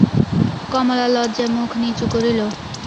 কমলা লজ্জায় মুখ নিচু করিল।